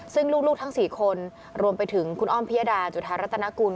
ซึ่งลูกทั้ง๔คนรวมไปถึงคุณอ้อมพิยดาจุธารัตนกุล